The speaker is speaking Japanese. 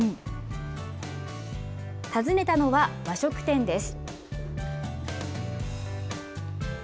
訪ねたのは、和食店です。